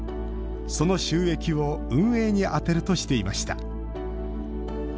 その収益を運営に充てるとしていました。